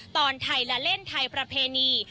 ตอนไทยละเล่นไทยประเพณี